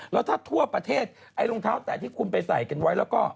แล้วถ้าทั่วประเทศไอ้รองเท้าแตะที่คุณไปใส่กันไว้แล้วก็